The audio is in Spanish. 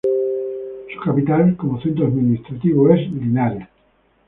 Su capital, como centro administrativo, es Linares.